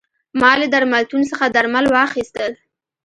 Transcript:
ما له درملتون څخه درمل واخیستل.